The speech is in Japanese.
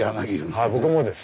はい僕もです。